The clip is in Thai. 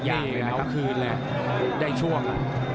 นี่เอาคืนเลยได้ช่วง